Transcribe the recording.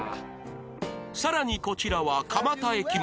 さらにこちらは蒲田駅前